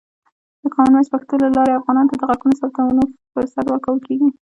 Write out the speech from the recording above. د کامن وایس پښتو له لارې، افغانانو ته د غږونو ثبتولو فرصت ورکول کېږي.